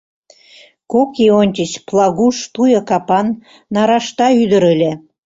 Кок ий ончыч Плагуш туйо капан нарашта ӱдыр ыле.